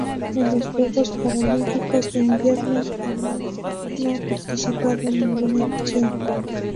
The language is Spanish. En los Juegos Paralímpicos de Invierno Omán no ha participado en ninguna edición.